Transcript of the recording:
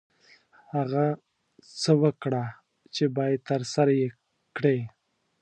هغه څه وکړه چې باید ترسره یې کړې.